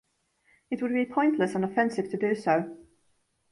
It would be pointless and offensive to do so.